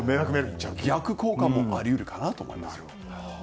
逆効果もあり得るかなと思います。